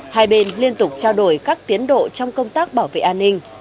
hai bên liên tục trao đổi các tiến độ trong công tác bảo vệ an ninh